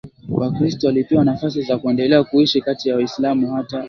Wakristo walipewa nafasi za kuendelea kuishi kati ya Waislamu hata